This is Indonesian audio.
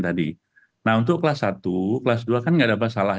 jadi bagaimana kita bisa membuatnya lebih baik